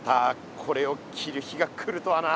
これを着る日が来るとはな。